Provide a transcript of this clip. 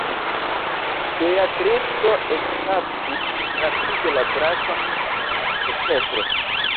Beatrico ekkaptis rapide la brakon de Petro.